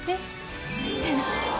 ついてない。